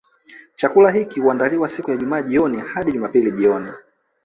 Chakula hiki huandaliwa siku ya Ijumaa jioni hadi Jumapili jioni